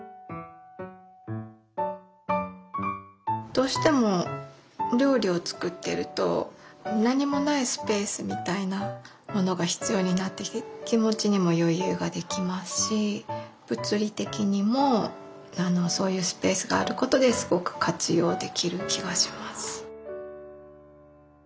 どうしても料理を作ってると何もないスペースみたいなものが必要になってきて気持ちにも余裕ができますし物理的にもそういうスペースがあることですごく活用できる気がします。